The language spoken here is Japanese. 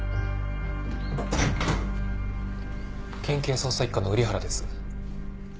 県警捜査一課の瓜原です。